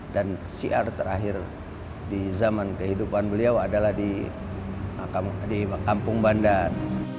dan syiar terakhir di zaman kehidupan beliau adalah di kampung bandan